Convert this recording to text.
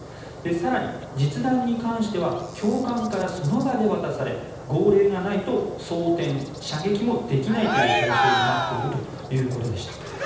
更に実弾に関しては教官からその場で渡され号令がないと装てん・射撃もできないという体制になっているということでした。